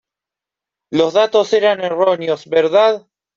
Los datos eran erróneos, ¿verdad?